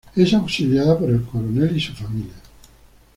Es auxiliada por el coronel y su familia.